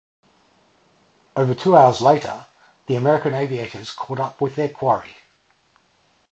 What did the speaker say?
Over two hours later, the American aviators caught up with their quarry.